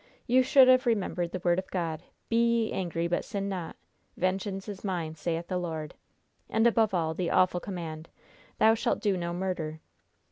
You should have remembered the Word of God, 'Be ye angry, but sin not.' 'Vengeance is mine, saith the Lord,' and, above all, the awful command, 'Thou shalt do no murder.'